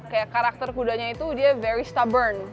kayak karakter kudanya itu dia very stabbern